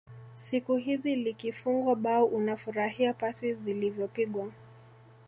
siku hizi likifungwa bao unafurahia pasi zilivyopigwa